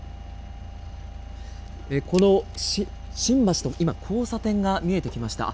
この新橋の今、交差点が見えてきました。